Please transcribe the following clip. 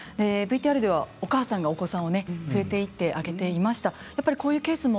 ＶＴＲではお母さんがお子さんを連れて行ってあげていました。